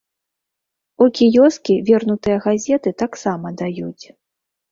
У кіёскі вернутыя газеты таксама даюць.